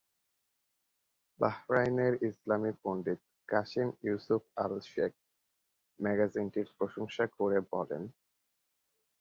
বাহরাইনের ইসলামি পণ্ডিত Qasim Yusuf Al Sheikh ম্যাগাজিনটির প্রশংসা করে বলেন,